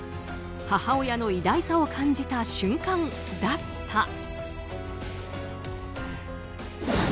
母親の偉大さを感じた瞬間だった。